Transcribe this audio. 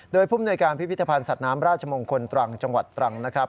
โดยผู้มนวยการพิพิธภัณฑ์สัตว์น้ำราชมงคลตรังจังหวัดตรังนะครับ